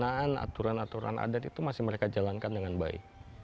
pelaksanaan aturan aturan adat itu masih mereka jalankan dengan baik